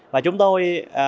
và chúng tôi